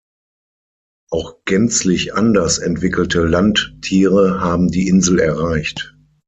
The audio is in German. Auch gänzlich anders entwickelte Landtiere haben die Insel erreicht.